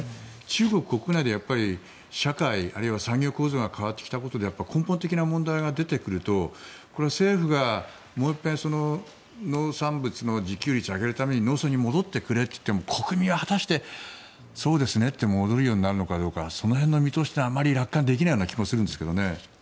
中国国内で社会、あるいは産業構造が変わってきたことで根本的な問題が出てくると政府がもう一遍農産物の自給率を上げるために農村に戻ってくれと言っても国民は果たしてそうですねと戻るようになるのかその辺の見通しってあまり楽観できない気もするんですがね。